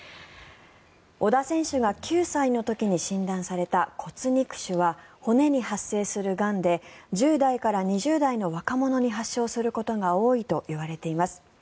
小田選手が９歳の時に診断された骨肉腫は骨に発生するがんで１０代から２０代の若者に発症することが多いといわれています。